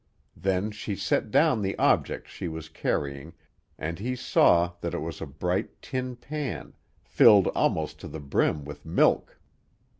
Then she set down the object she was carrying and he saw that it was a bright tin pan, filled almost to the brim with milk.